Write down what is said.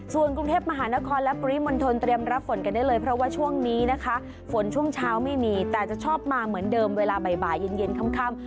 ส่วนกรุงเทพมหานครและปริมณฑลเตรียมรับฝนกันได้เลยเพราะว่าช่วงนี้นะคะฝนช่วงเช้าไม่มีแต่จะชอบมาเหมือนเดิมเวลาบ่ายเย็นค่ำ